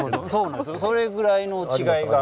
それぐらいの違いが。